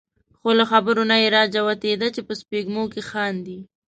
خو له خبرو نه یې را جوتېده چې په سپېږمو کې خاندي.